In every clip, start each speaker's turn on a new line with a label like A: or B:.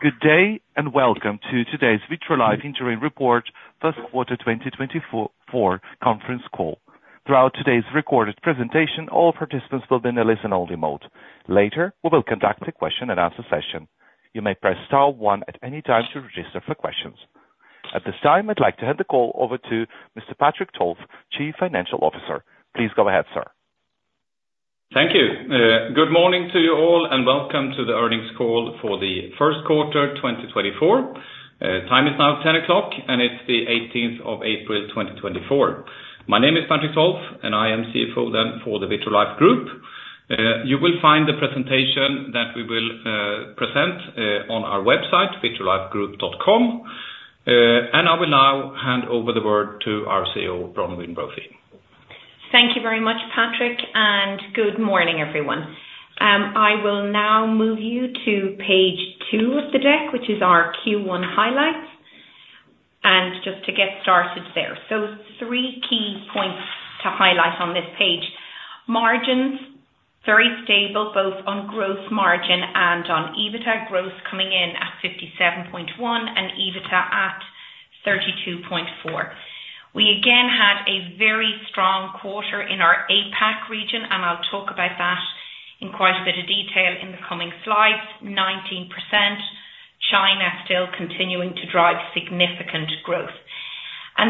A: Good day and welcome to today's Vitrolife Interim Report First Quarter 2024 conference call. Throughout today's recorded presentation, all participants will be in a listen-only mode. Later, we will conduct a question-and-answer session. You may press star 1 at any time to register for questions. At this time, I'd like to hand the call over to Mr. Patrik Tolf, Chief Financial Officer. Please go ahead, sir.
B: Thank you. Good morning to you all and welcome to the earnings call for the first quarter 2024. Time is now 10:00 A.M., and it's the 18th of April 2024. My name is Patrik Tolf, and I am CFO then for the Vitrolife Group. You will find the presentation that we will present on our website, vitrolifegroup.com. And I will now hand over the word to our CEO, Bronwyn Brophy.
C: Thank you very much, Patrik, and good morning, everyone. I will now move you to Page 2 of the deck, which is our Q1 highlights. Just to get started there, three key points to highlight on this page: margins very stable, both on gross margin and on EBITDA margin, coming in at 57.1% and EBITDA at 32.4%. We again had a very strong quarter in our APAC region, and I'll talk about that in quite a bit of detail in the coming slides: 19%, China still continuing to drive significant growth.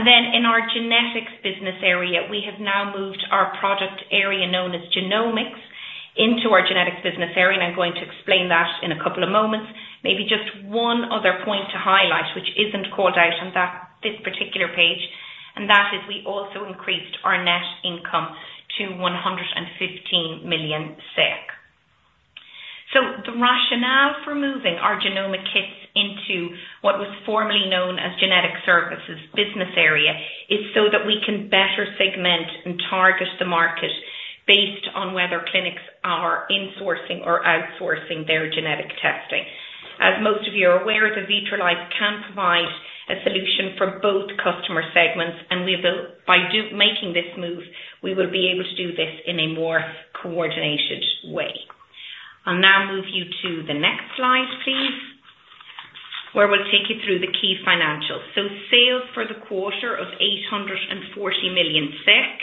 C: Then in our Genetics business area, we have now moved our product area known as Genomics into ourGenetics business area, and I'm going to explain that in a couple of moments. Maybe just one other point to highlight, which isn't called out on this particular page, and that is we also increased our net income to 115 million SEK. So the rationale for moving our Genomic kits into what was formerly known as Genetic Services business area is so that we can better segment and target the market based on whether clinics are insourcing or outsourcing their genetic testing. As most of you are aware, the Vitrolife can provide a solution for both customer segments, and we will by doing this move, we will be able to do this in a more coordinated way. I'll now move you to the next slide, please, where we'll take you through the key financials. So sales for the quarter of 840 million SEK,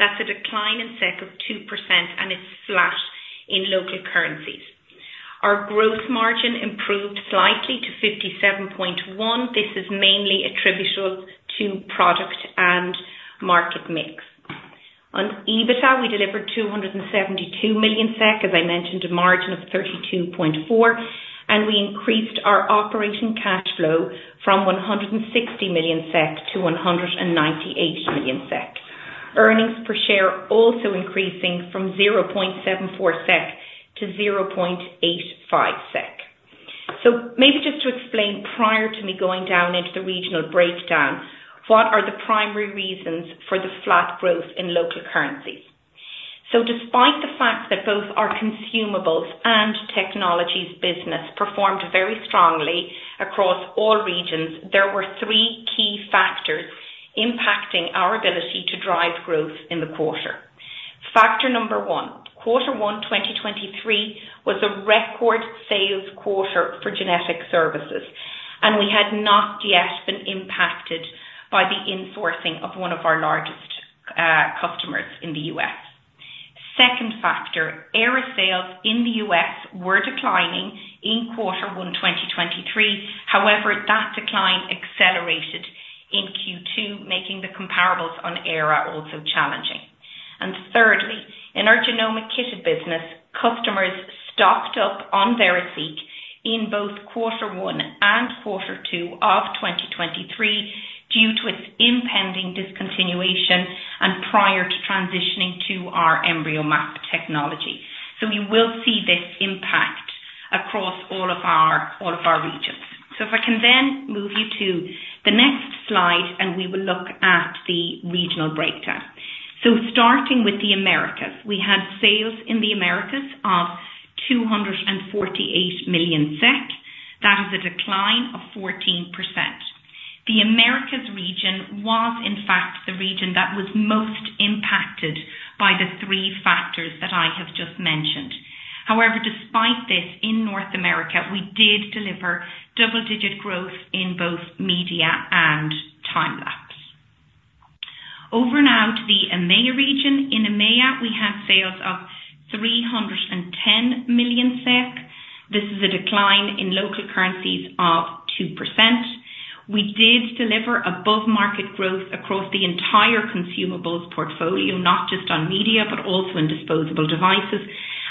C: that's a decline in SEK of 2%, and it's flat in local currencies. Our gross margin improved slightly to 57.1%. This is mainly attributable to product and market mix. On EBITDA, we delivered 272 million SEK, as I mentioned, a margin of 32.4%, and we increased our operating cash flow from 160 million-198 million SEK. Earnings per share also increasing from 0.74 SEK-0.85 SEK. So maybe just to explain prior to me going down into the regional breakdown, what are the primary reasons for the flat growth in local currencies? So despite the fact that both our Consumables and Technologies business performed very strongly across all regions, there were three key factors impacting our ability to drive growth in the quarter. Factor number one: Quarter 1 2023 was a record sales quarter for genetic services, and we had not yet been impacted by the insourcing of one of our largest, customers in the U.S. Second factor: ERA sales in the U.S. were declining in Quarter 1 2023. However, that decline accelerated in Q2, making the comparables on ERA also challenging. And thirdly, in our Genomics kitted business, customers stocked up on their VeriSeq in both Quarter 1 and Quarter 2 of 2023 due to its impending discontinuation and prior to transitioning to our EmbryoMap technology. So you will see this impact across all of our regions. So if I can then move you to the next slide, and we will look at the regional breakdown. So starting with the Americas, we had sales in the Americas of 248 million SEK. That is a decline of 14%. The Americas region was, in fact, the region that was most impacted by the three factors that I have just mentioned. However, despite this, in North America, we did deliver double-digit growth in both media and time-lapse. Over now to the EMEA region. In EMEA, we had sales of 310 million SEK. This is a decline in local currencies of 2%. We did deliver above-market growth across the entire consumables portfolio, not just on media but also in disposable devices,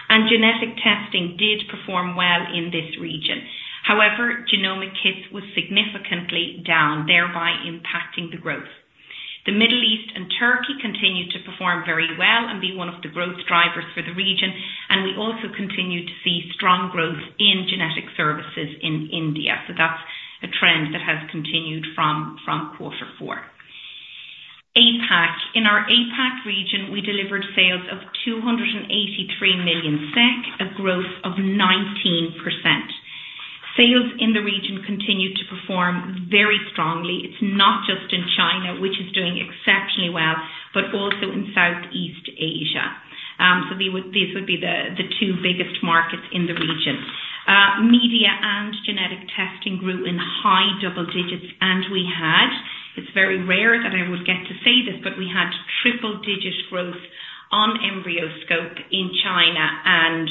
C: and genetic testing did perform well in this region. However, Genomics kits was significantly down, thereby impacting the growth. The Middle East and Turkey continued to perform very well and be one of the growth drivers for the region, and we also continue to see strong growth in genetic services in India. So that's a trend that has continued from Quarter 4. APAC: In our APAC region, we delivered sales of 283 million SEK, a growth of 19%. Sales in the region continued to perform very strongly. It's not just in China, which is doing exceptionally well, but also in Southeast Asia. So these would be the two biggest markets in the region. Media and genetic testing grew in high double digits, and we had, it's very rare that I would get to say this, but we had triple-digit growth on EmbryoScope in China and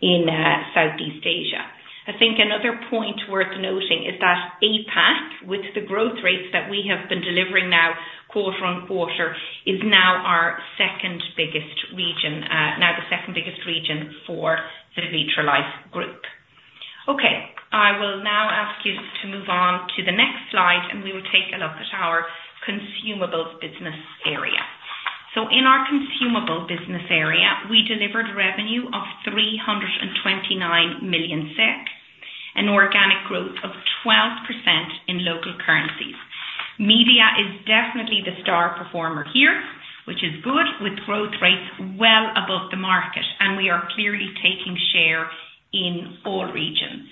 C: in Southeast Asia. I think another point worth noting is that APAC, with the growth rates that we have been delivering now quarter-over-quarter, is now our second biggest region, now the second biggest region for the Vitrolife Group. Okay. I will now ask you to move on to the next slide, and we will take a look at our Consumables business area. So in our Consumables business area, we delivered revenue of 329 million SEK, an organic growth of 12% in local currencies. Media is definitely the star performer here, which is good, with growth rates well above the market, and we are clearly taking share in all regions.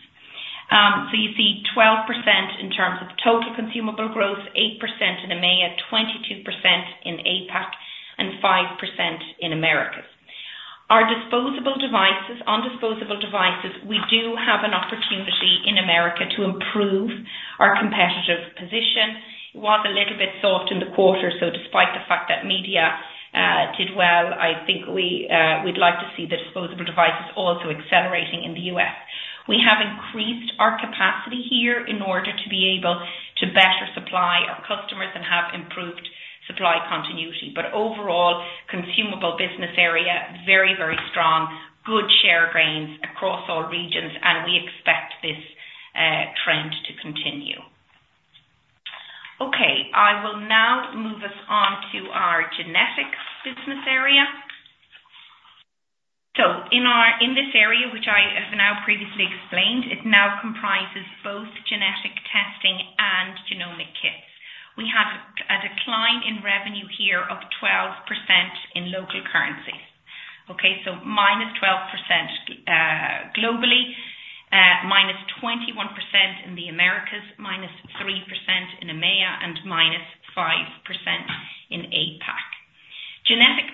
C: So you see 12% in terms of total consumable growth, 8% in EMEA, 22% in APAC, and 5% in Americas. Our disposable devices on disposable devices, we do have an opportunity in America to improve our competitive position. It was a little bit soft in the quarter, so despite the fact that media did well, I think we, we'd like to see the disposable devices also accelerating in the U.S. We have increased our capacity here in order to be able to better supply our customers and have improved supply continuity. But overall, consumable business area, very, very strong, good share gains across all regions, and we expect this trend to continue. Okay. I will now move us on to our genetic business area. So in this area, which I have now previously explained, it now comprises both genetic testing and genomic kits. We had a decline in revenue here of 12% in local currencies. Okay? So -12% globally, -21% in the Americas, -3% in EMEA, and -5% in APAC. Genetic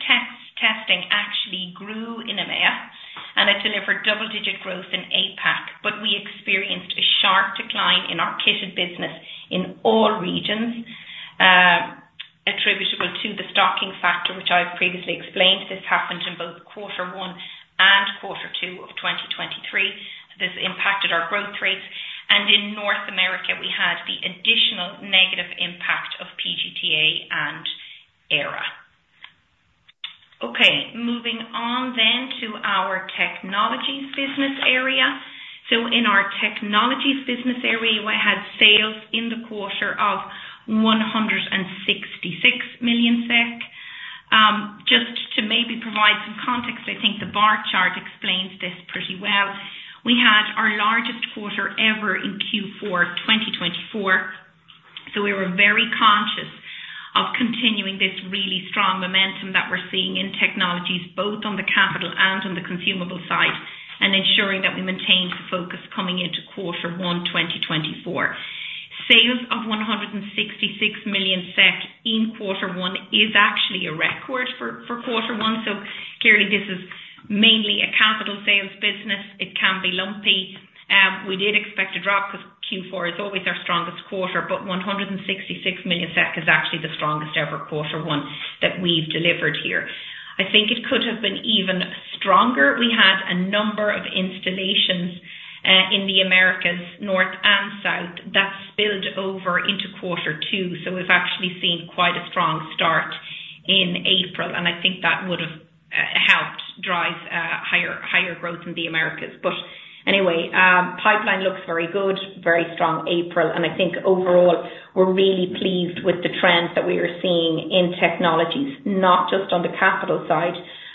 C: testing actually grew in EMEA, and it delivered double-digit growth in APAC, but we experienced a sharp decline in our kitted business in all regions, attributable to the stocking factor, which I've previously explained. This happened in both Quarter 1 and Quarter 2 of 2023. This impacted our growth rates. And in North America, we had the additional negative impact of PGT-A and ERA. Okay. Moving on then to our Technologies business area. So in our Technologies business area, we had sales in the quarter of 166 million SEK. Just to maybe provide some context, I think the bar chart explains this pretty well. We had our largest quarter ever in Q4 2024, so we were very conscious of continuing this really strong momentum that we're seeing in technologies, both on the capital and on the consumable side, and ensuring that we maintained the focus coming into Quarter 1 2024. Sales of 166 million SEK in Quarter 1 is actually a record for Quarter 1, so clearly this is mainly a capital sales business. It can be lumpy. We did expect a drop 'cause Q4 is always our strongest quarter, but 166 million SEK is actually the strongest ever Quarter 1 that we've delivered here. I think it could have been even stronger. We had a number of installations in the Americas, North and South, that spilled over into Quarter 2, so we've actually seen quite a strong start in April, and I think that would have helped drive higher, higher growth in the Americas. But anyway, pipeline looks very good, very strong April, and I think overall we're really pleased with the trends that we are seeing in technologies, not just on the capital side.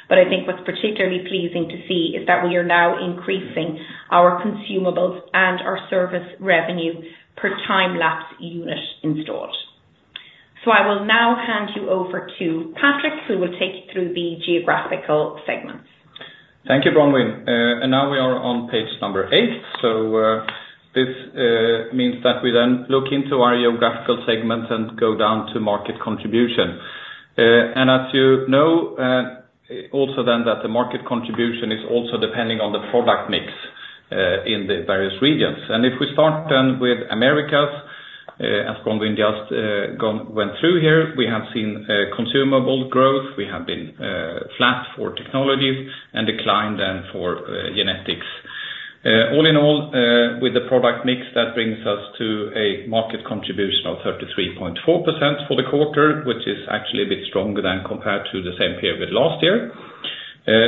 C: But I think what's particularly pleasing to see is that we are now increasing our consumables and our service revenue per time-lapse unit installed. So I will now hand you over to Patrik, who will take you through the geographical segments.
B: Thank you, Bronwyn. Now we are on page Number 8, so this means that we then look into our geographical segment and go down to market contribution. As you know, also then that the market contribution is also depending on the product mix in the various regions. And if we start then with Americas, as Bronwyn just went through here, we have seen consumable growth. We have been flat for technologies and declined then for genetics. All in all, with the product mix, that brings us to a market contribution of 33.4% for the quarter, which is actually a bit stronger than compared to the same period last year.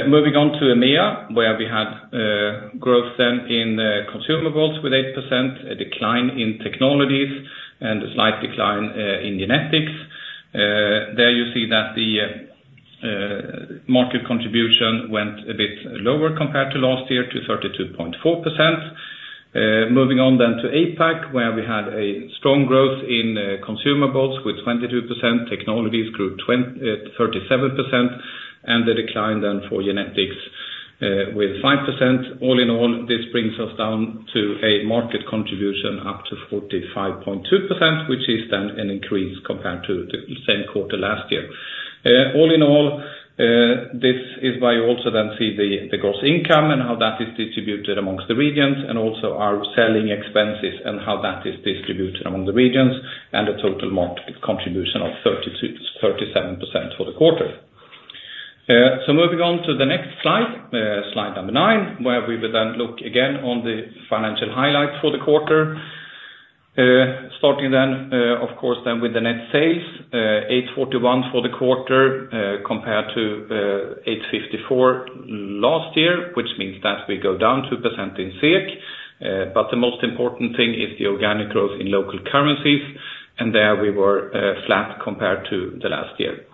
B: Moving on to EMEA, where we had growth then in consumables with 8%, a decline in technologies, and a slight decline in genetics. There you see that the market contribution went a bit lower compared to last year to 32.4%. Moving on then to APAC, where we had a strong growth in Consumables with 22%, Technologies grew 20.37%, and a decline then for Genetics, with 5%. All in all, this brings us down to a market contribution up to 45.2%, which is then an increase compared to the same quarter last year. All in all, this is where you also then see the gross income and how that is distributed among the regions and also our selling expenses and how that is distributed among the regions and a total market contribution of 32.37% for the quarter. So moving on to the next slide, Slide number 9, where we will then look again on the financial highlights for the quarter. Starting then, of course, with the net sales 841 million for the quarter, compared to 854 million last year, which means that we go down 2% in SEK. But the most important thing is the organic growth in local currencies, and there we were flat compared to last year.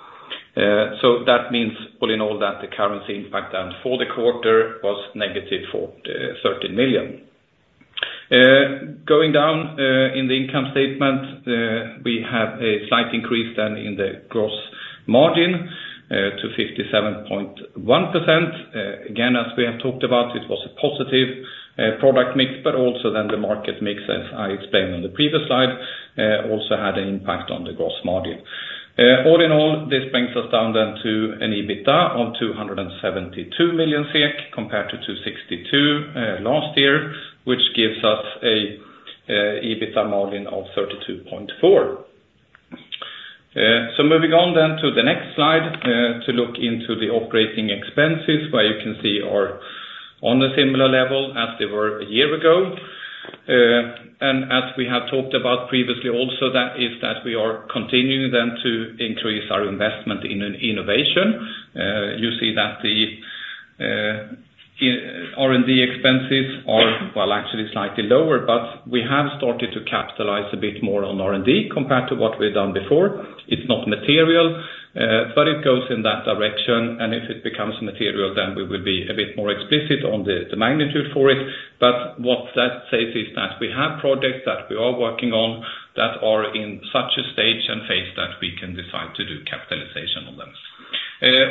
B: So that means, all in all, that the currency impact then for the quarter was negative for 13 million. Going down in the income statement, we have a slight increase then in the gross margin to 57.1%. Again, as we have talked about, it was a positive product mix, but also then the market mix, as I explained on the previous slide, also had an impact on the gross margin. All in all, this brings us down then to an EBITDA of 272 million SEK compared to 262 million last year, which gives us an EBITDA margin of 32.4%. So moving on then to the next slide, to look into the operating expenses, where you can see we're on a similar level as they were a year ago. As we have talked about previously also, that is that we are continuing then to increase our investment in innovation. You see that the R&D expenses are, well, actually slightly lower, but we have started to capitalize a bit more on R&D compared to what we've done before. It's not material, but it goes in that direction, and if it becomes material, then we will be a bit more explicit on the magnitude for it. But what that says is that we have projects that we are working on that are in such a stage and phase that we can decide to do capitalization on them.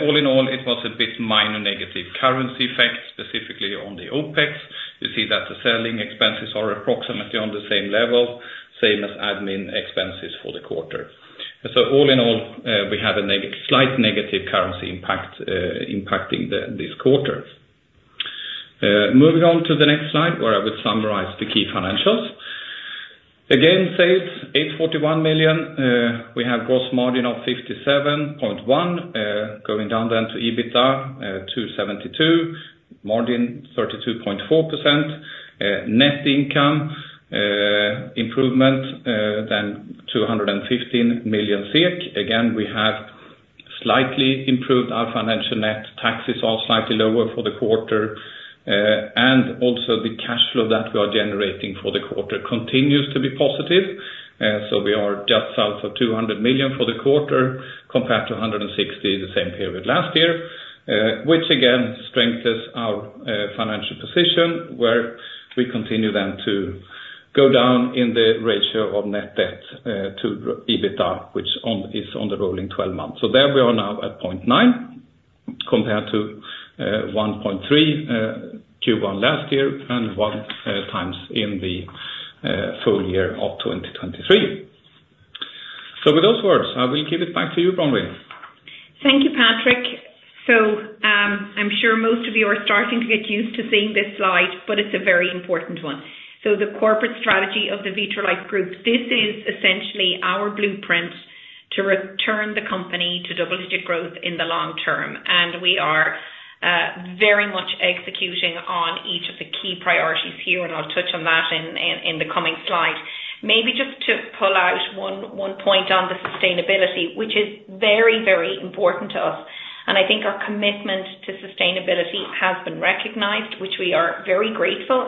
B: All in all, it was a bit minor negative currency effect, specifically on the OpEx. You see that the selling expenses are approximately on the same level, same as admin expenses for the quarter. So all in all, we have a negative slight negative currency impact, impacting this quarter. Moving on to the next slide, where I would summarize the key financials. Again, sales, 841 million. We have gross margin of 57.1%, going down then to EBITDA, 272 million, margin 32.4%. Net income, improvement, then 215 million. Again, we have slightly improved our financial net. Taxes are slightly lower for the quarter. And also the cash flow that we are generating for the quarter continues to be positive. So we are just south of 200 million for the quarter compared to 160 million the same period last year, which again strengthens our financial position, where we continue then to go down in the ratio of net debt to EBITDA, which is on the rolling 12 months. So there we are now at 0.9 compared to 1.3 Q1 last year and 1x in the full year of 2023. So with those words, I will give it back to you, Bronwyn.
C: Thank you, Patrik. So, I'm sure most of you are starting to get used to seeing this slide, but it's a very important one. So the corporate strategy of the Vitrolife Group, this is essentially our blueprint to return the company to double-digit growth in the long term, and we are very much executing on each of the key priorities here, and I'll touch on that in the coming slide. Maybe just to pull out one point on the sustainability, which is very, very important to us, and I think our commitment to sustainability has been recognized, which we are very grateful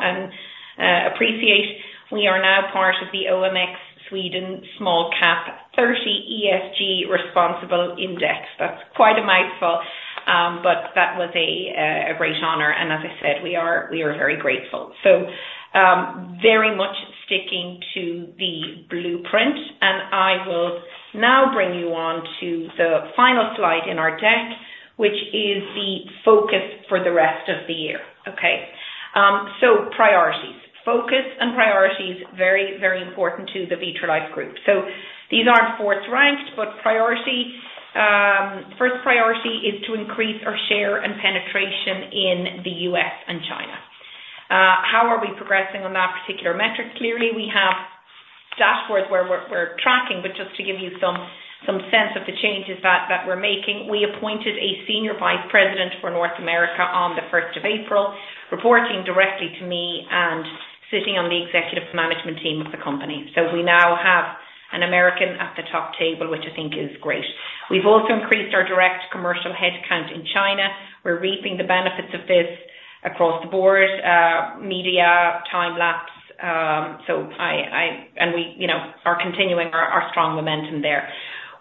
C: and appreciate. We are now part of the OMX Sweden Small Cap 30 ESG Responsible Index. That's quite a mouthful, but that was a great honor, and as I said, we are very grateful. So, very much sticking to the blueprint, and I will now bring you on to the final slide in our deck, which is the focus for the rest of the year. Okay? So priorities. Focus and priorities, very, very important to the Vitrolife Group. So these aren't fourth-ranked, but priority, first priority is to increase our share and penetration in the U.S. and China. How are we progressing on that particular metric? Clearly, we have dashboards where we're, we're tracking, but just to give you some, some sense of the changes that, that we're making, we appointed a senior vice president for North America on the 1st of April, reporting directly to me and sitting on the executive management team of the company. So we now have an American at the top table, which I think is great. We've also increased our direct commercial headcount in China. We're reaping the benefits of this across the board, media, time lapse, so I, I and we, you know, are continuing our, our strong momentum there.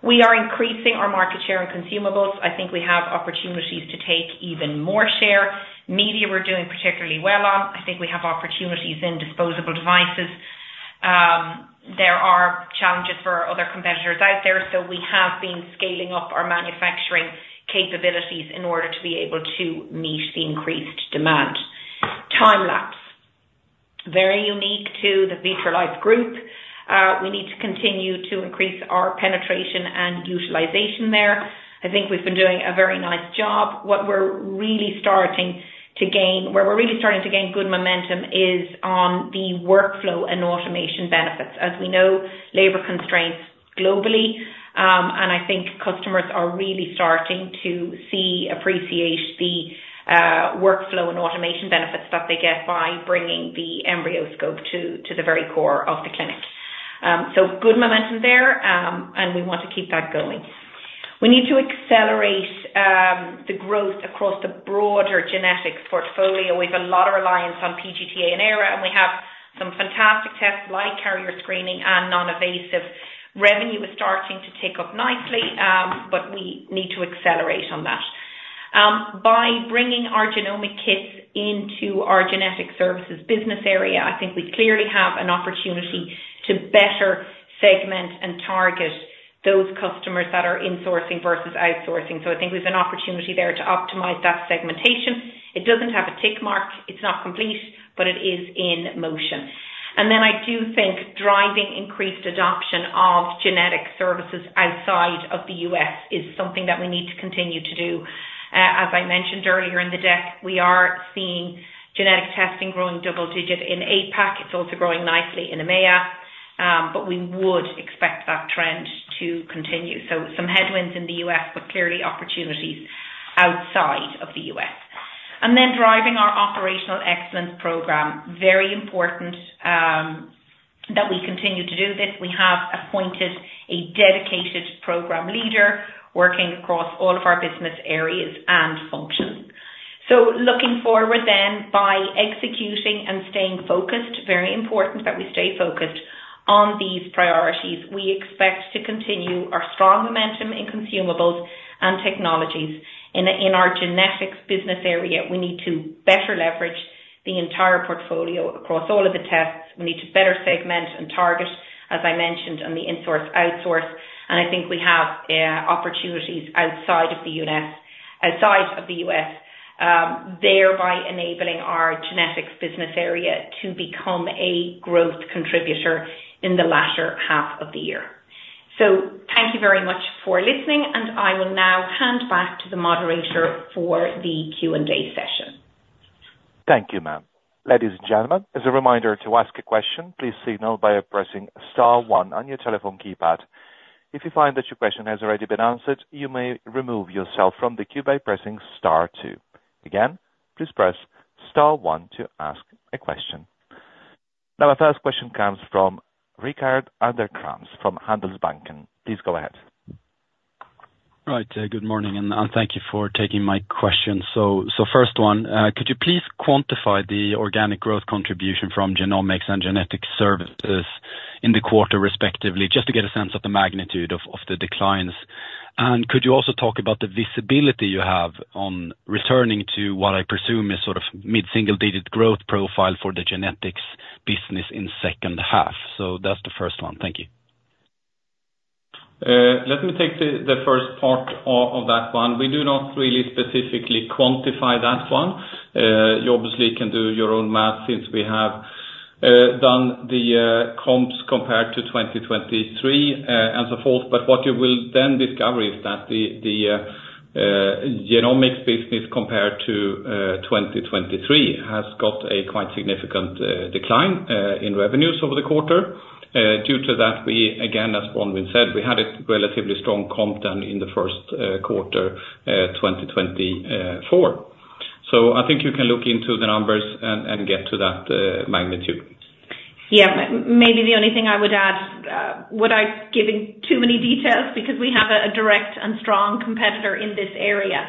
C: We are increasing our market share in consumables. I think we have opportunities to take even more share. Media we're doing particularly well on. I think we have opportunities in disposable devices. There are challenges for other competitors out there, so we have been scaling up our manufacturing capabilities in order to be able to meet the increased demand. Time lapse. Very unique to the Vitrolife Group. We need to continue to increase our penetration and utilization there. I think we've been doing a very nice job. What we're really starting to gain where we're really starting to gain good momentum is on the workflow and automation benefits. As we know, labor constraints globally, and I think customers are really starting to see, appreciate the workflow and automation benefits that they get by bringing the EmbryoScope to the very core of the clinic. So good momentum there, and we want to keep that going. We need to accelerate the growth across the broader Genetics portfolio. We have a lot of reliance on PGT-A and ERA, and we have some fantastic tests like carrier screening and non-invasive. Revenue is starting to tick up nicely, but we need to accelerate on that. By bringing our genomic kits into our genetic services business area, I think we clearly have an opportunity to better segment and target those customers that are insourcing versus outsourcing. So I think we have an opportunity there to optimize that segmentation. It doesn't have a tick mark. It's not complete, but it is in motion. And then I do think driving increased adoption of genetic services outside of the U.S. is something that we need to continue to do. As I mentioned earlier in the deck, we are seeing genetic testing growing double-digit in APAC. It's also growing nicely in EMEA, but we would expect that trend to continue. So some headwinds in the U.S., but clearly opportunities outside of the U.S. And then driving our operational excellence program. Very important, that we continue to do this. We have appointed a dedicated program leader working across all of our business areas and functions. So looking forward then by executing and staying focused, very important that we stay focused on these priorities. We expect to continue our strong momentum in Consumables and Technologies. In our Genetics business area, we need to better leverage the entire portfolio across all of the tests. We need to better segment and target, as I mentioned, on the insource, outsource, and I think we have, opportunities outside of the U.S. outside of the U.S., thereby enabling our Genetics business area to become a growth contributor in the latter half of the year. So thank you very much for listening, and I will now hand back to the moderator for the Q&A session.
A: Thank you, ma'am. Ladies and gentlemen, as a reminder to ask a question, please signal by pressing star 1 on your telephone keypad. If you find that your question has already been answered, you may remove yourself from the queue by pressing star 2. Again, please press star 1 to ask a question. Now, our first question comes from Rickard Anderkrans from Handelsbanken. Please go ahead.
D: Right. Good morning, and, and thank you for taking my question. So, so first one, could you please quantify the organic growth contribution from genomics and genetic services in the quarter, respectively, just to get a sense of the magnitude of, of the declines? And could you also talk about the visibility you have on returning to what I presume is sort of mid-single-digit growth profile for the genetics business in second half? So that's the first one. Thank you.
B: Let me take the first part of that one. We do not really specifically quantify that one. You obviously can do your own math since we have done the comps compared to 2023, and so forth, but what you will then discover is that the genomics business compared to 2023 has got a quite significant decline in revenues over the quarter. Due to that, we again, as Bronwyn said, we had a relatively strong comp then in the first quarter 2024. So I think you can look into the numbers and get to that magnitude.
C: Yeah. Maybe the only thing I would add is I would give too many details because we have a direct and strong competitor in this area.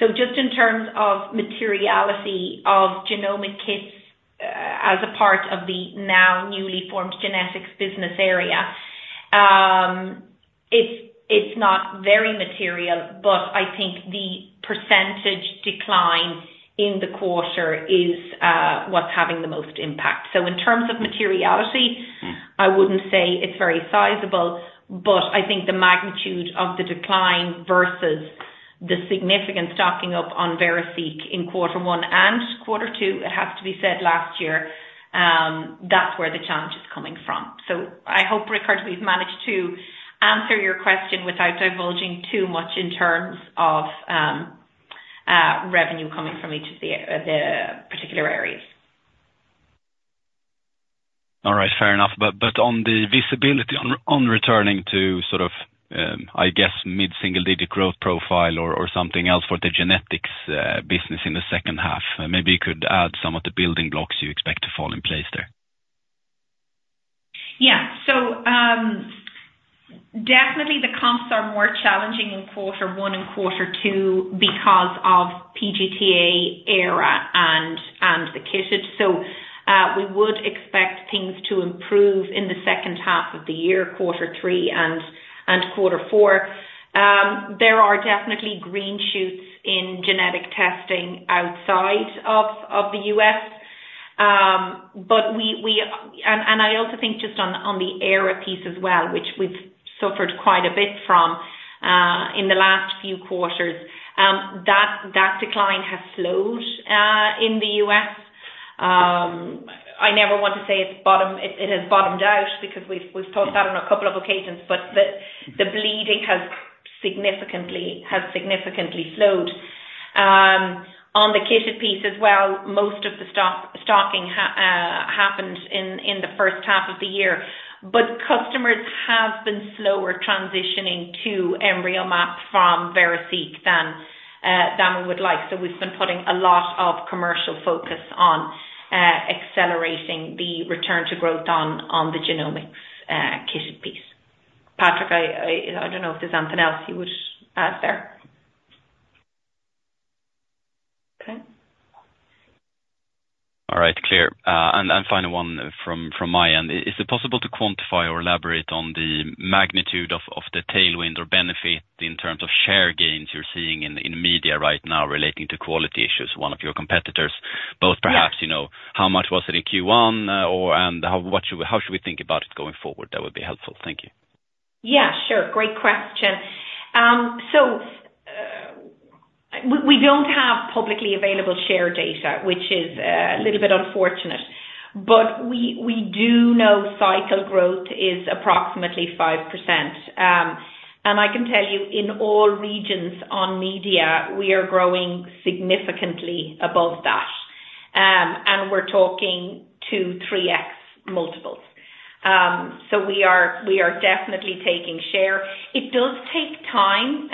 C: So just in terms of materiality of genomic kits, as a part of the now newly formed Genetics business area, it's not very material, but I think the percentage decline in the quarter is what's having the most impact. So in terms of materiality, I wouldn't say it's very sizable, but I think the magnitude of the decline versus the significant stocking up on VeriSeq in quarter one and quarter two, it has to be said, last year, that's where the challenge is coming from. So I hope, Rickard, we've managed to answer your question without divulging too much in terms of revenue coming from each of the particular areas.
D: All right. Fair enough. But on the visibility on returning to sort of, I guess, mid-single-digit growth profile or something else for the Genetics business in the second half, maybe you could add some of the building blocks you expect to fall in place there.
C: Yeah. So, definitely, the comps are more challenging in quarter one and quarter two because of PGT-A, ERA, and, and the kits. So, we would expect things to improve in the second half of the year, quarter three and, and quarter four. There are definitely green shoots in genetic testing outside of, of the U.S., but we, we and, and I also think just on, on the ERA piece as well, which we've suffered quite a bit from, in the last few quarters, that, that decline has slowed, in the U.S. I never want to say it's bottomed it has bottomed out because we've, we've talked about it on a couple of occasions, but the, the bleeding has significantly has significantly slowed. on the kitted piece as well, most of the stock stocking has happened in the first half of the year, but customers have been slower transitioning to EmbryoMap from VeriSeq than we would like. So we've been putting a lot of commercial focus on accelerating the return to growth on the genomics kitted piece. Patrik, I don't know if there's anything else you would add there. Okay.
D: All right. Clear. Final one from my end. Is it possible to quantify or elaborate on the magnitude of the tailwind or benefit in terms of share gains you're seeing in media right now relating to quality issues, one of your competitors, both perhaps, you know, how much was it in Q1, or how should we think about it going forward? That would be helpful. Thank you.
C: Yeah. Sure. Great question. We don't have publicly available share data, which is a little bit unfortunate, but we do know cycle growth is approximately 5%. And I can tell you, in all regions on media, we are growing significantly above that, and we're talking 2x-3x multiples. So we are definitely taking share. It does take time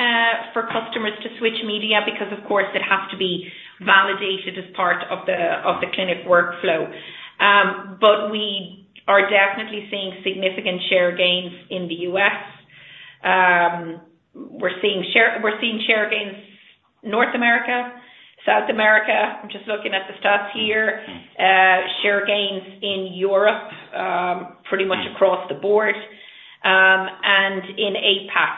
C: for customers to switch media because, of course, it has to be validated as part of the clinic workflow. But we are definitely seeing significant share gains in the U.S. We're seeing share gains in North America, South America—I'm just looking at the stats here—share gains in Europe, pretty much across the board, and in APAC,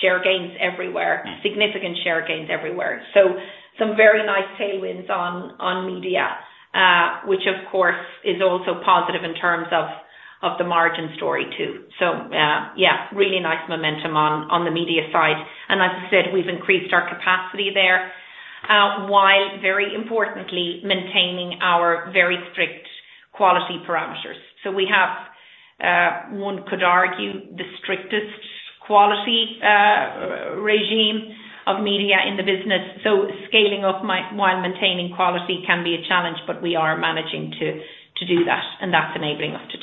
C: share gains everywhere, significant share gains everywhere. So, some very nice tailwinds on media, which, of course, is also positive in terms of the margin story too. So, yeah, really nice momentum on the media side. And as I said, we've increased our capacity there, while, very importantly, maintaining our very strict quality parameters. So we have, one could argue, the strictest quality regime of media in the business. So scaling up while maintaining quality can be a challenge, but we are managing to do that, and that's enabling us to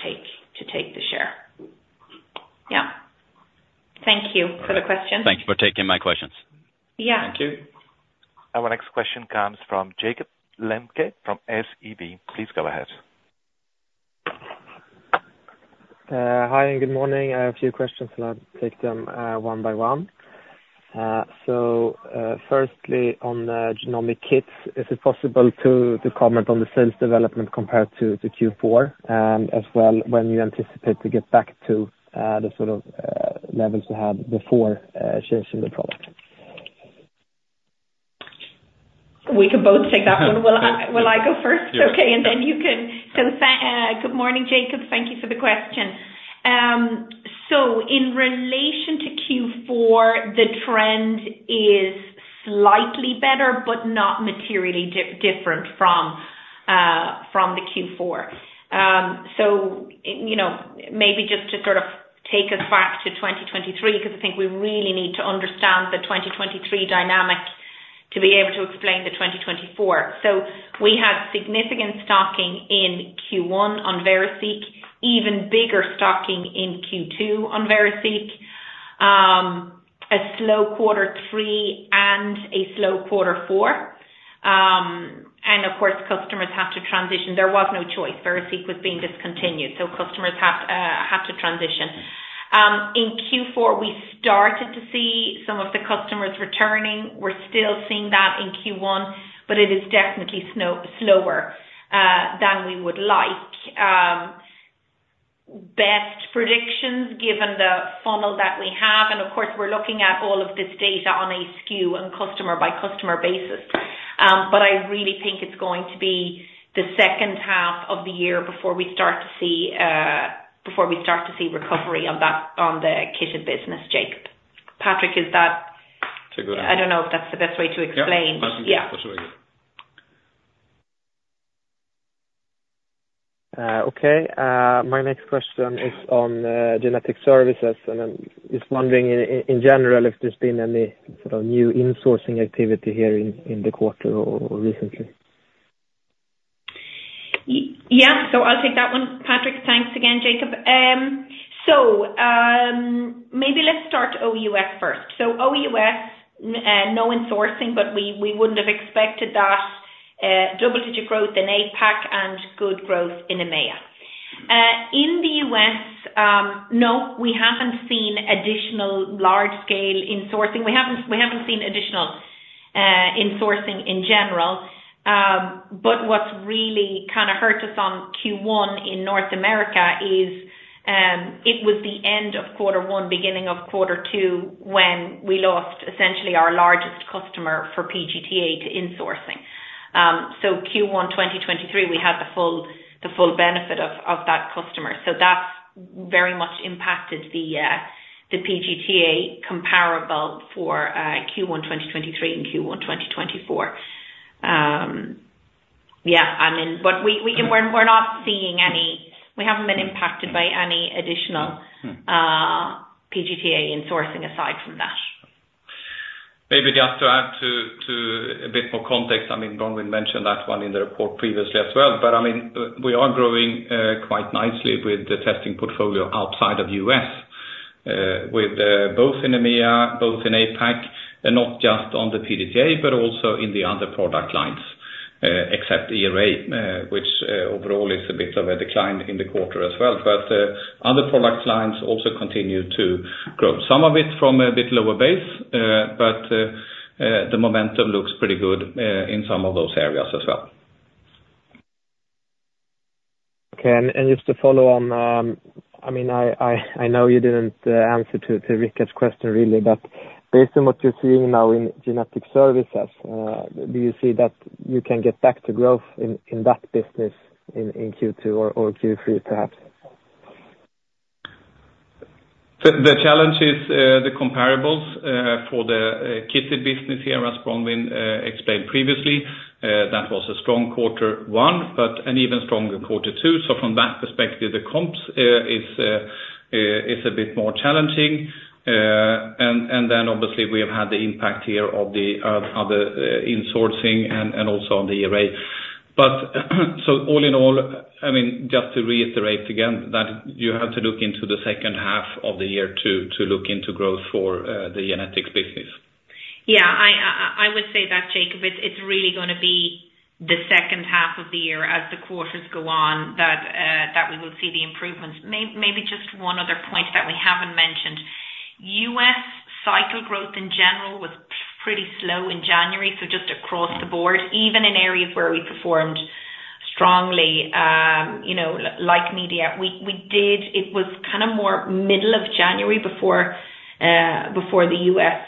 C: take the share. Yeah. Thank you for the questions.
D: Thank you for taking my questions.
C: Yeah.
D: Thank you.
A: Our next question comes from Jakob Lembke from SEB. Please go ahead.
E: Hi, and good morning. I have a few questions, and I'll take them, one by one. Firstly, on the genomic kits, is it possible to comment on the sales development compared to Q4, as well, when you anticipate to get back to the sort of levels we had before changing the product?
C: We can both take that one. Will I go first? It's okay. And then you can. So, good morning, Jakob. Thank you for the question. So in relation to Q4, the trend is slightly better but not materially different from the Q4. So, you know, maybe just to sort of take us back to 2023 because I think we really need to understand the 2023 dynamic to be able to explain the 2024. So we had significant stocking in Q1 on VeriSeq, even bigger stocking in Q2 on VeriSeq, a slow quarter three and a slow quarter four. And, of course, customers have to transition. There was no choice. VeriSeq was being discontinued, so customers have to transition. In Q4, we started to see some of the customers returning. We're still seeing that in Q1, but it is definitely so slower than we would like. Best predictions given the funnel that we have. And, of course, we're looking at all of this data on a SKU and customer-by-customer basis, but I really think it's going to be the second half of the year before we start to see recovery on that on the kitted business, Jacob. Patrik, is that?
B: It's a good answer.
C: I don't know if that's the best way to explain.
B: Yeah. I think that's absolutely good.
E: Okay. My next question is on genetic services, and I'm just wondering in general if there's been any sort of new insourcing activity here in the quarter or recently.
C: Yeah. So I'll take that one, Patrik. Thanks again, Jakob. So, maybe let's start OUS first. So OUS, no insourcing, but we, we wouldn't have expected that, double-digit growth in APAC and good growth in EMEA. In the U.S., no, we haven't seen additional large-scale insourcing. We haven't seen additional insourcing in general. But what's really kind of hurt us on Q1 in North America is, it was the end of quarter one, beginning of quarter two when we lost essentially our largest customer for PGT-A to insourcing. So Q1 2023, we had the full benefit of that customer. So that's very much impacted the PGT-A comparable for Q1 2023 and Q1 2024. Yeah. I mean, but we and we're not seeing any; we haven't been impacted by any additional PGT-A insourcing aside from that.
B: Maybe just to add to a bit more context, I mean, Bronwyn mentioned that one in the report previously as well, but I mean, we are growing quite nicely with the testing portfolio outside of US, with both in EMEA, both in APAC, and not just on the PGT-A but also in the other product lines, except ERA, which overall is a bit of a decline in the quarter as well. But other product lines also continue to grow, some of it from a bit lower base, but the momentum looks pretty good in some of those areas as well.
E: Okay. And just to follow on, I mean, I know you didn't answer Rickard's question really, but based on what you're seeing now in genetic services, do you see that you can get back to growth in that business in Q2 or Q3 perhaps?
B: The challenge is the comparables for the kitted business here, as Bronwyn explained previously. That was a strong quarter one but an even stronger quarter two. So from that perspective, the comps is a bit more challenging. And then, obviously, we have had the impact here of the other insourcing and also on the ERA. But so all in all, I mean, just to reiterate again that you have to look into the second half of the year to look into growth for the genetics business.
C: Yeah. I would say that, Jakob, it's really gonna be the second half of the year as the quarters go on that we will see the improvements. Maybe just one other point that we haven't mentioned. U.S. cycle growth in general was pretty slow in January, so just across the board, even in areas where we performed strongly, you know, like media. We did. It was kind of more middle of January before the U.S.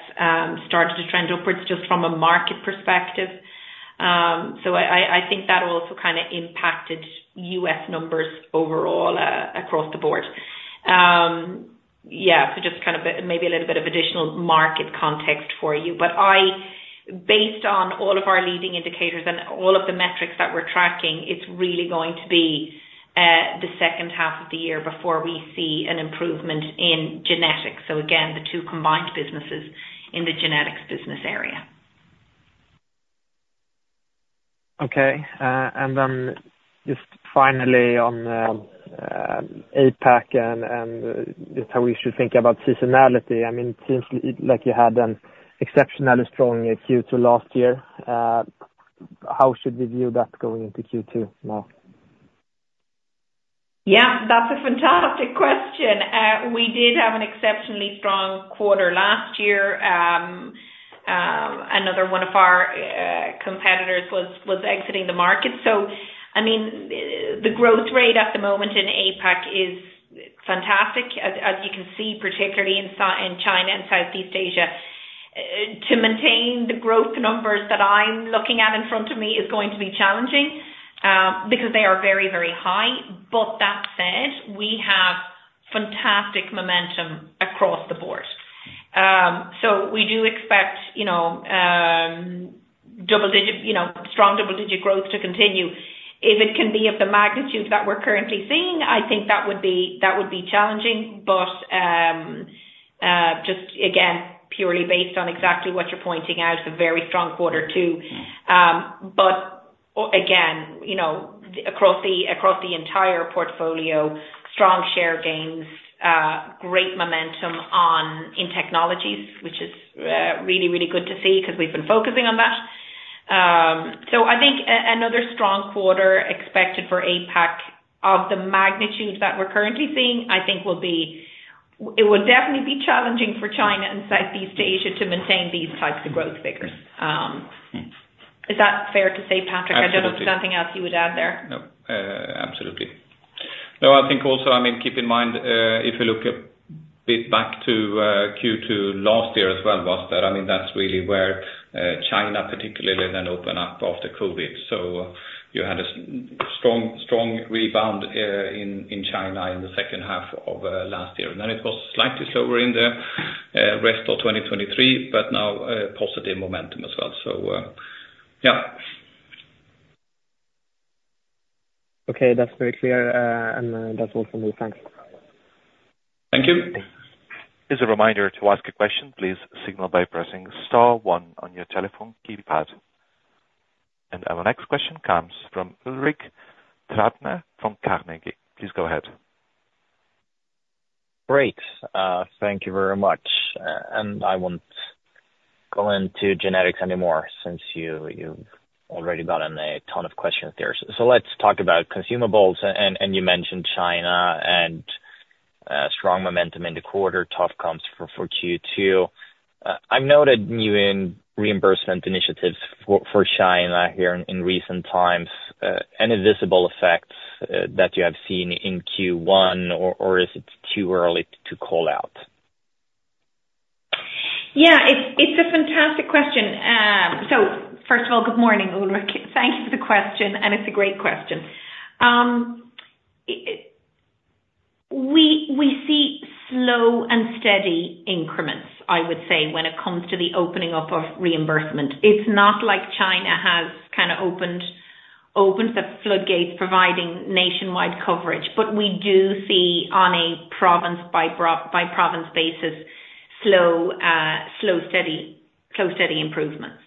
C: started to trend upwards just from a market perspective. So I think that also kind of impacted U.S. numbers overall, across the board. Yeah. So just kind of maybe a little bit of additional market context for you. But I, based on all of our leading indicators and all of the metrics that we're tracking, it's really going to be, the second half of the year before we see an improvement in Genetics. So again, the two combined businesses in the Genetics business area.
E: Okay. And then just finally on APAC and just how we should think about seasonality. I mean, it seems like you had an exceptionally strong Q2 last year. How should we view that going into Q2 now?
C: Yeah. That's a fantastic question. We did have an exceptionally strong quarter last year. Another one of our competitors was exiting the market. So I mean, the growth rate at the moment in APAC is fantastic, as you can see, particularly in China and Southeast Asia. To maintain the growth numbers that I'm looking at in front of me is going to be challenging, because they are very, very high. But that said, we have fantastic momentum across the board. So we do expect, you know, double-digit, you know, strong double-digit growth to continue. If it can be of the magnitude that we're currently seeing, I think that would be challenging. But, just again, purely based on exactly what you're pointing out, the very strong quarter two. But oh again, you know, across the entire portfolio, strong share gains, great momentum in technologies, which is really, really good to see because we've been focusing on that. So I think another strong quarter expected for APAC of the magnitude that we're currently seeing, I think, will be. It will definitely be challenging for China and Southeast Asia to maintain these types of growth figures. Is that fair to say, Patrik? I don't know if there's anything else you would add there.
B: Nope. Absolutely. No, I think also I mean, keep in mind, if you look a bit back to Q2 last year as well, was that? I mean, that's really where China particularly then opened up after COVID. So you had a strong, strong rebound in China in the second half of last year. And then it was slightly slower in the rest of 2023 but now positive momentum as well. So, yeah.
E: Okay. That's very clear. And that's all from me. Thanks.
B: Thank you.
A: As a reminder to ask a question, please signal by pressing star 1 on your telephone keypad. Our next question comes from Ulrik Trattner from Carnegie. Please go ahead.
F: Great. Thank you very much. And I won't go into genetics anymore since you, you've already gotten a ton of questions there. So let's talk about consumables. And you mentioned China and strong momentum in the quarter, tough comps for Q2. I've noted new reimbursement initiatives for China here in recent times. Any visible effects that you have seen in Q1, or is it too early to call out?
C: Yeah. It's a fantastic question. So first of all, good morning, Ulrik. Thank you for the question, and it's a great question. It, we see slow and steady increments, I would say, when it comes to the opening up of reimbursement. It's not like China has kind of opened the floodgates providing nationwide coverage, but we do see on a province-by-province basis slow and steady improvements.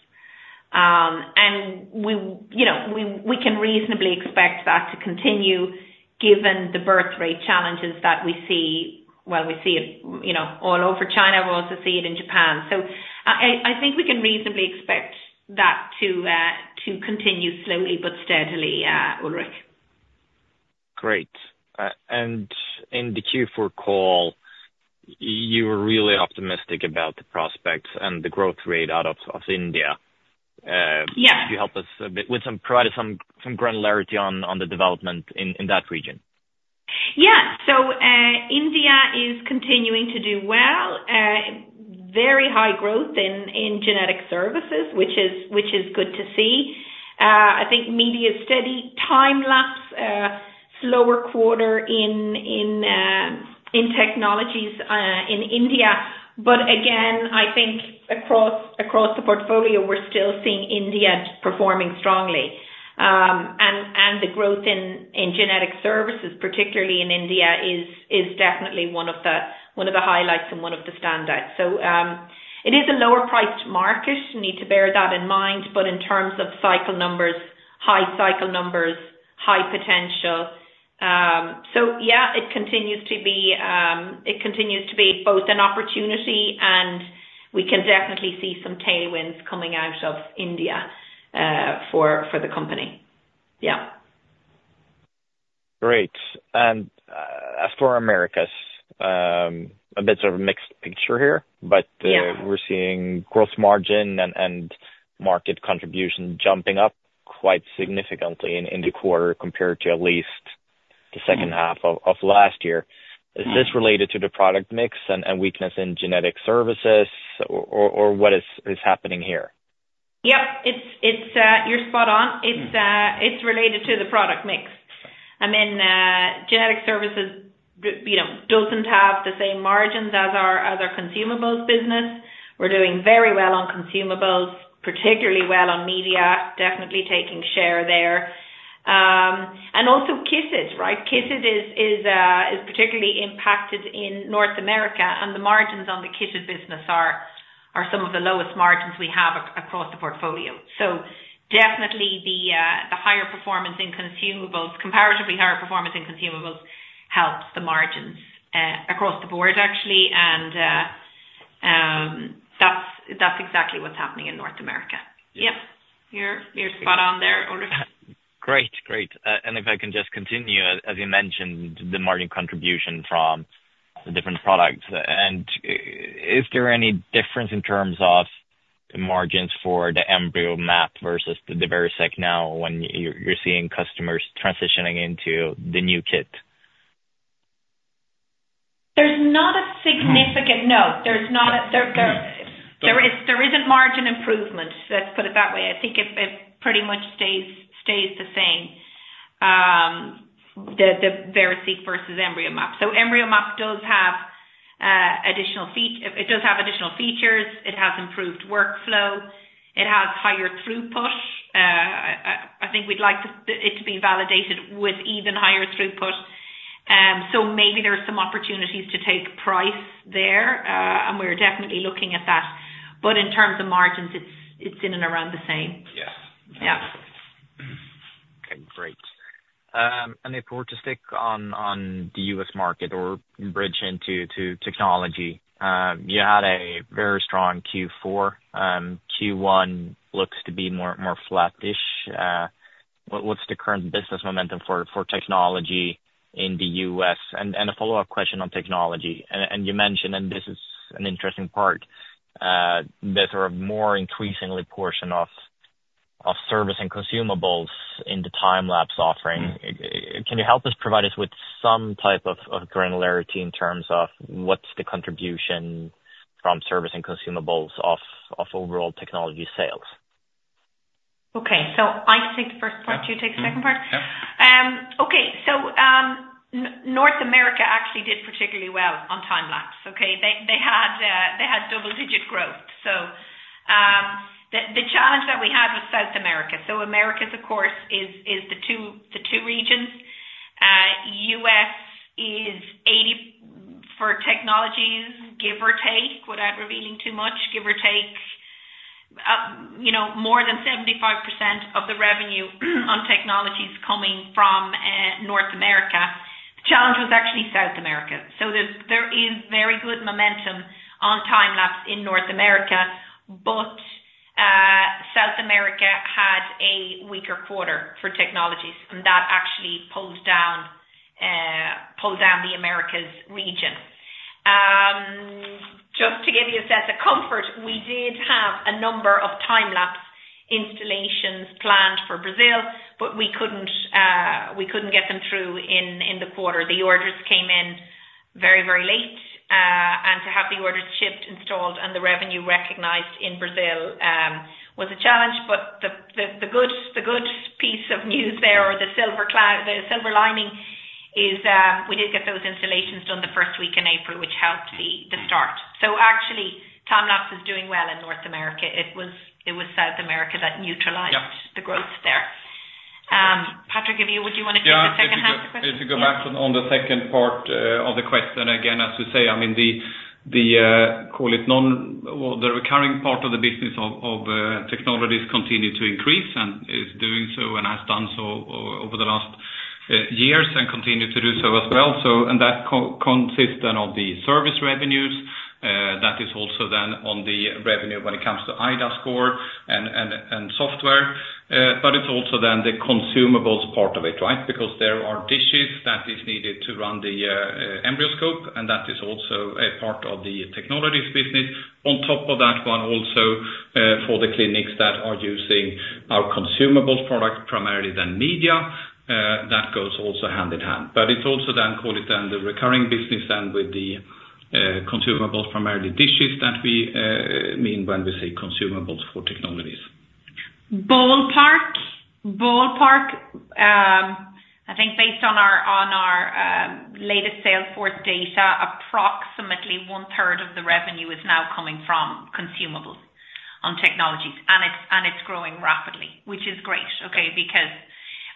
C: And we, you know, we can reasonably expect that to continue given the birth rate challenges that we see. Well, we see it, you know, all over China. We also see it in Japan. So I think we can reasonably expect that to continue slowly but steadily, Ulrik.
F: Great. In the Q4 call, you were really optimistic about the prospects and the growth rate out of India. Could you help us a bit, provide us some granularity on the development in that region?
C: Yeah. So, India is continuing to do well. Very high growth in genetic services, which is good to see. I think media is steady. Time-lapse, slower quarter in technologies in India. But again, I think across the portfolio, we're still seeing India performing strongly. And the growth in genetic services, particularly in India, is definitely one of the highlights and one of the standouts. So, it is a lower-priced market. You need to bear that in mind. But in terms of cycle numbers, high cycle numbers, high potential, so yeah, it continues to be both an opportunity, and we can definitely see some tailwinds coming out of India, for the company. Yeah.
F: Great. As for Americas, it's a bit sort of mixed picture here, but, we're seeing gross margin and market contribution jumping up quite significantly in the quarter compared to at least the second half of last year.
C: Mm-hmm.
F: Is this related to the product mix and weakness in genetic services, or what is happening here?
C: Yep. It's, you're spot on. It's related to the product mix. I mean, genetic services, you know, doesn't have the same margins as our Consumables business. We're doing very well on Consumables, particularly well on media, definitely taking share there, and also kitted, right? Kitted is particularly impacted in North America, and the margins on the kitted business are some of the lowest margins we have across the portfolio. So definitely the comparatively higher performance in Consumables helps the margins across the board actually. And that's exactly what's happening in North America. Yep. You're spot on there, Ulrik.
F: Great. Great. And if I can just continue, as you mentioned, the margin contribution from the different products. And is there any difference in terms of the margins for the EmbryoMap versus the VeriSeq now when you're seeing customers transitioning into the new kit?
C: There's not a significant. There's not a there, there. There isn't margin improvement. Let's put it that way. I think it pretty much stays the same, the VeriSeq versus EmbryoMap. So EmbryoMap does have additional features. It has improved workflow. It has higher throughput. I think we'd like to think it to be validated with even higher throughput. So maybe there's some opportunities to take price there, and we're definitely looking at that. But in terms of margins, it's in and around the same.
F: Yes.
C: Yeah.
F: Okay. Great. And if we were to stick on the U.S. market or bridge into technology, you had a very strong Q4. Q1 looks to be more flat-ish. What's the current business momentum for technology in the U.S.? And a follow-up question on technology. And you mentioned and this is an interesting part, there's sort of more increasingly portion of service and consumables in the time lapse offering. Mm-hmm. Can you help us provide us with some type of granularity in terms of what's the contribution from service and consumables of overall technology sales?
C: Okay. So I can take the first part.
F: Yeah.
C: You take the second part?
F: Yep. Yep.
C: Okay. So, North America actually did particularly well on time-lapse, okay? They had double-digit growth. So, the challenge that we had was South America. So Americas, of course, is the two regions. U.S. is 80% for technologies, give or take, without revealing too much, give or take. You know, more than 75% of the revenue in technologies is coming from North America. The challenge was actually South America. So there is very good momentum on time-lapse in North America, but South America had a weaker quarter for technologies, and that actually pulled down the Americas region. Just to give you a sense of comfort, we did have a number of time-lapse installations planned for Brazil, but we couldn't get them through in the quarter. The orders came in very late. and to have the orders shipped, installed, and the revenue recognized in Brazil, was a challenge. But the good piece of news there, or the silver lining, is we did get those installations done the first week in April, which helped the start.
F: Mm-hmm.
C: So actually, time-lapse is doing well in North America. It was South America that neutralized.
F: Yep.
C: The growth there. Patrik, if you would you want to take a second.
B: Yeah.
C: Half the question?
B: If you go back on the second part of the question, again, as you say, I mean, the, call it non-, well, the recurring part of the business of Technologies continued to increase and is doing so and has done so over the last years and continued to do so as well. So and that consist then of the service revenues. That is also then on the revenue when it comes to iDAScore and software. But it's also then the consumables part of it, right, because there are dishes that is needed to run the EmbryoScope, and that is also a part of the Technologies business. On top of that one also, for the clinics that are using our consumables product primarily the media, that goes also hand in hand. But it's also, call it, the recurring business with the consumables, primarily dishes that we mean when we say consumables for technologies.
C: Ballpark, I think based on our latest Salesforce data, approximately one-third of the revenue is now coming from Consumables on Technologies. And it's growing rapidly, which is great, okay, because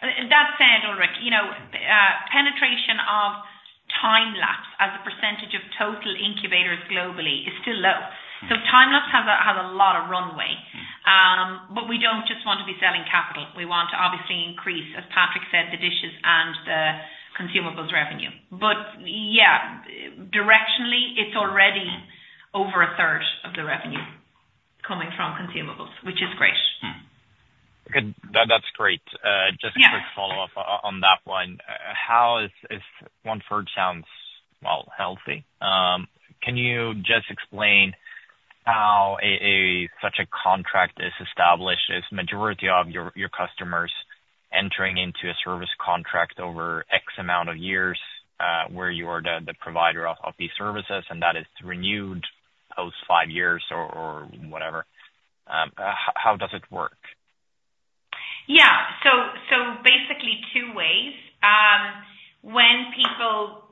C: and that said, Ulrik, you know, penetration of time-lapse as a percentage of total incubators globally is still low. Time-lapse has a lot of runway. But we don't just want to be selling capital. We want to obviously increase, as Patrik said, the dishes and the consumables revenue. But yeah, directionally, it's already. Over a third of the revenue coming from consumables, which is great.
F: Good. That's great.
C: Yeah.
F: A quick follow-up on that one. How is one-third? Sounds well, healthy? Can you just explain how such a contract is established? Is majority of your customers entering into a service contract over X amount of years, where you are the provider of these services, and that is renewed post five years or whatever? How does it work?
C: Yeah. So basically two ways. When people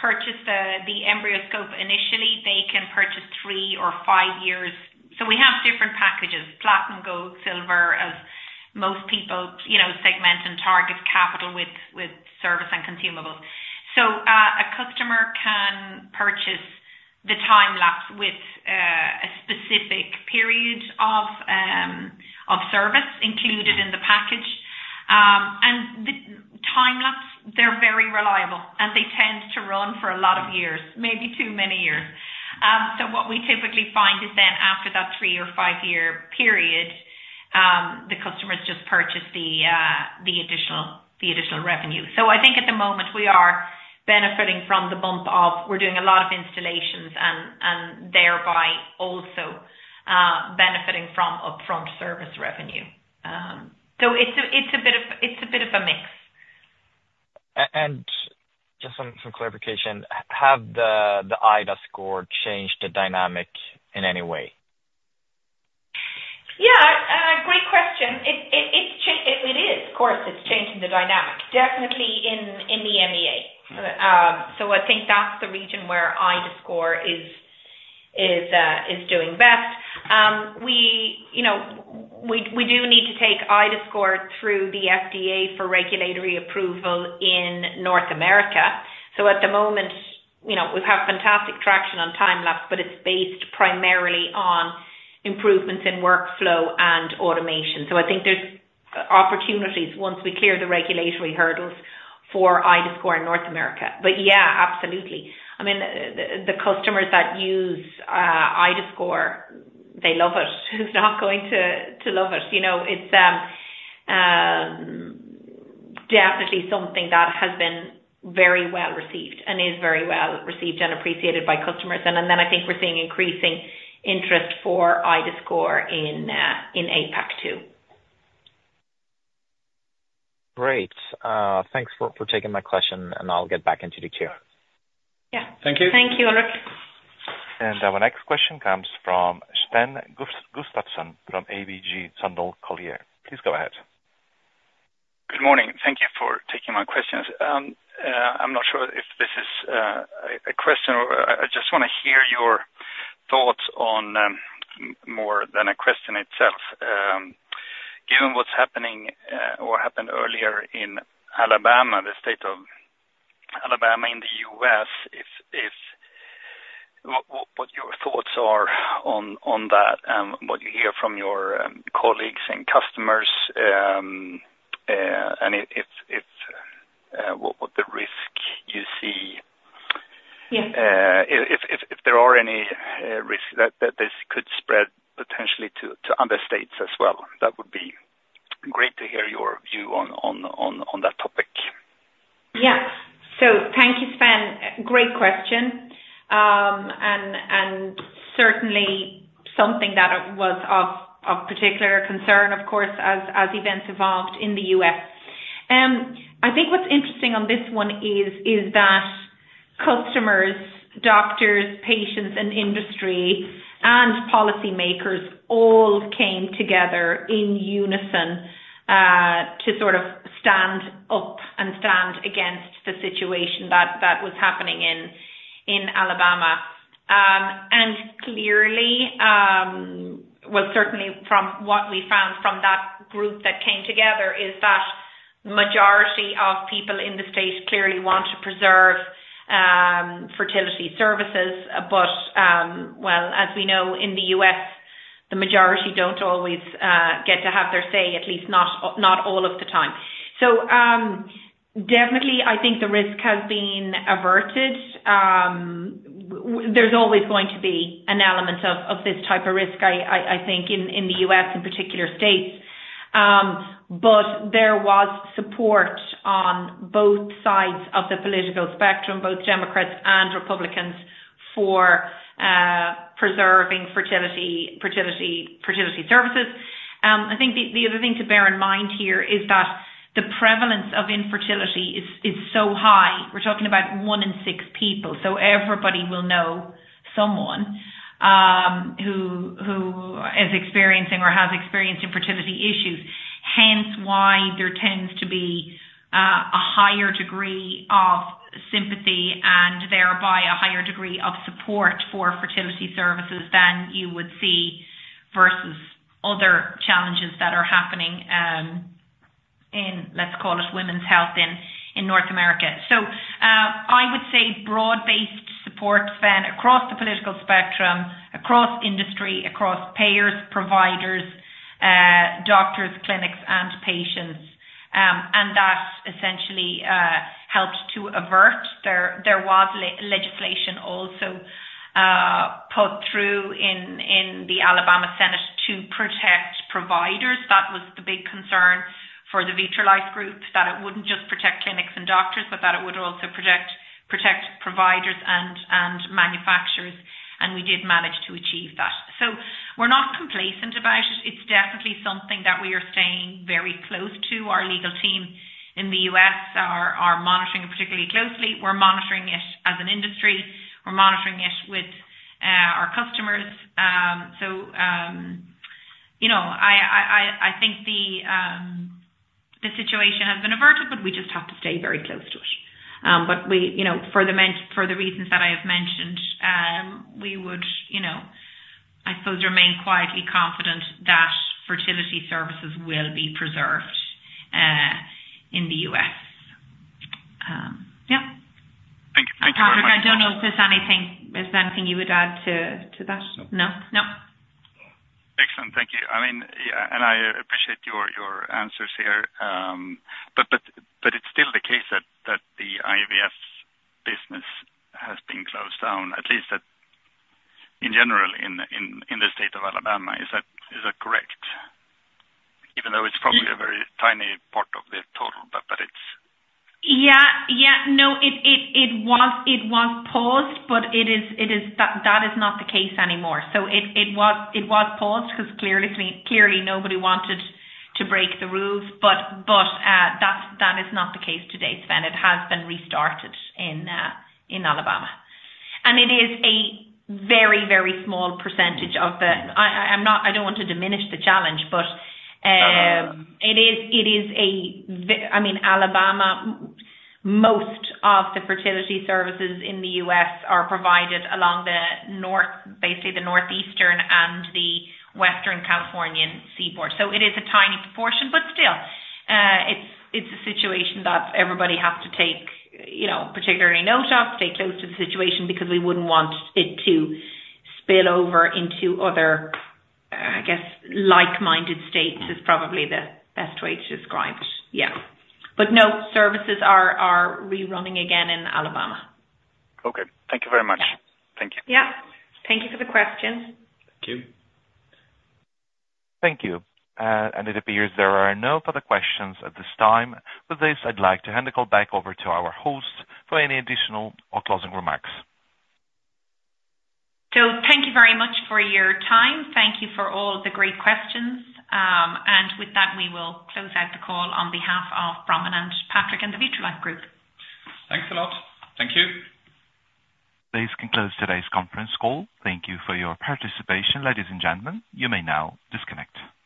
C: purchase the EmbryoScope initially, they can purchase three or five years. So we have different packages: Platinum, Gold, Silver, as most people, you know, segment and target capital with service and consumables. So a customer can purchase the time-lapse with a specific period of service included in the package. And the time-lapse, they're very reliable, and they tend to run for a lot of years, maybe too many years. So what we typically find is then after that three- or five-year period, the customers just purchase the additional revenue. So I think at the moment, we are benefiting from the bump of we're doing a lot of installations and thereby also benefiting from upfront service revenue. So it's a bit of a mix.
F: And just some clarification. Have the iDAScore changed the dynamic in any way?
C: Yeah. Great question. It is, of course. It's changing the dynamic, definitely in the EMEA. So I think that's the region where iDAScore is doing best. You know, we do need to take iDAScore through the FDA for regulatory approval in North America. So at the moment, you know, we have fantastic traction on time-lapse, but it's based primarily on improvements in workflow and automation. So I think there's opportunities once we clear the regulatory hurdles for iDAScore in North America. But yeah, absolutely. I mean, the customers that use iDAScore, they love it. Who's not going to love it? You know, it's definitely something that has been very well received and is very well received and appreciated by customers. and then I think we're seeing increasing interest for iDAScore in APAC too.
F: Great. Thanks for taking my question, and I'll get back into the queue.
C: Yeah.
B: Thank you.
C: Thank you, Ulrik.
A: My next question comes from Sten Gustafsson from ABG Sundal Collier. Please go ahead.
G: Good morning. Thank you for taking my questions. I'm not sure if this is a question or I just wanna hear your thoughts on more than a question itself. Given what's happening, or happened earlier in Alabama, the state of Alabama in the U.S., what your thoughts are on that and what you hear from your colleagues and customers, and if what the risk you see.
C: Yes.
G: If there are any risks that this could spread potentially to other states as well, that would be great to hear your view on that topic.
C: Yeah. So thank you, Sten. Great question. And certainly something that was of particular concern, of course, as events evolved in the U.S. I think what's interesting on this one is that customers, doctors, patients, and industry and policymakers all came together in unison, to sort of stand up and stand against the situation that was happening in Alabama. And clearly, well, certainly from what we found from that group that came together is that majority of people in the state clearly want to preserve fertility services. But, well, as we know, in the U.S., the majority don't always get to have their say, at least not or not all of the time. So, definitely, I think the risk has been averted. There's always going to be an element of this type of risk, I think, in the U.S., in particular states. But there was support on both sides of the political spectrum, both Democrats and Republicans, for preserving fertility services. I think the other thing to bear in mind here is that the prevalence of infertility is so high. We're talking about 1 in 6 people. So everybody will know someone who is experiencing or has experienced infertility issues, hence why there tends to be a higher degree of sympathy and thereby a higher degree of support for fertility services than you would see versus other challenges that are happening, in let's call it women's health in North America. So, I would say broad-based support, Sten, across the political spectrum, across industry, across payers, providers, doctors, clinics, and patients, and that essentially helped to avert there. There was legislation also put through in the Alabama Senate to protect providers. That was the big concern for the Vitrolife Group, that it wouldn't just protect clinics and doctors, but that it would also protect providers and manufacturers. And we did manage to achieve that. So we're not complacent about it. It's definitely something that we are staying very close to. Our legal team in the U.S. are monitoring it particularly closely. We're monitoring it as an industry. We're monitoring it with our customers. So, you know, I think the situation has been averted, but we just have to stay very close to it. But we, you know, for the meantime, for the reasons that I have mentioned, we would, you know, I suppose, remain quietly confident that fertility services will be preserved in the U.S. Yeah.
G: Thank you. Thank you very much.
C: Patrik, I don't know if there's anything you would add to that.
G: No.
C: No?
G: No. Excellent. Thank you. I mean, yeah, and I appreciate your answers here. But it's still the case that the IVF business has been closed down, at least that in general, in the state of Alabama. Is that correct? Even though it's probably.
C: Yeah.
G: A very tiny part of the total, but it's.
C: Yeah. No, it was paused, but that is not the case anymore. So it was paused because clearly nobody wanted to break the rules. But that is not the case today, Sten. It has been restarted in Alabama. And it is a very small percentage of the IVF. I'm not, I don't want to diminish the challenge, but,
G: No.
C: It is a very, I mean, Alabama. Most of the fertility services in the U.S. are provided along the north, basically the northeastern and the western Californian seaboard. So it is a tiny proportion, but still, it's a situation that everybody has to take, you know, particularly note of, stay close to the situation because we wouldn't want it to spill over into other, I guess, like-minded states is probably the best way to describe it. Yeah. But no, services are rerunning again in Alabama.
G: Okay. Thank you very much. Thank you.
C: Yeah. Thank you for the questions.
B: Thank you.
A: Thank you. It appears there are no further questions at this time. With this, I'd like to hand the call back over to our host for any additional or closing remarks.
C: Thank you very much for your time. Thank you for all the great questions. With that, we will close out the call on behalf of Bronwyn and Patrik and the Vitrolife Group.
B: Thanks a lot. Thank you.
A: Please conclude today's conference call. Thank you for your participation, ladies and gentlemen. You may now disconnect.